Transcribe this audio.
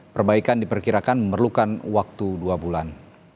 perbaikan diperkirakan memerlukan waktu dua bulan